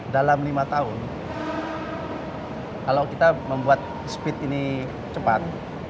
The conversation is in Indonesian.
dalam lima tahun kalau kita membuat speed ini cepat